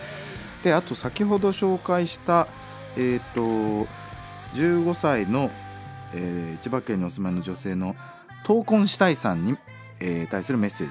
あと先ほど紹介した１５歳の千葉県にお住まいの女性のトウコンシタイさんに対するメッセージですね。